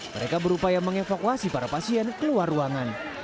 mereka berupaya mengevakuasi para pasien keluar ruangan